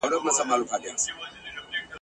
بس د اوښکو په لمن کي په خپل زخم کی اوسېږم !.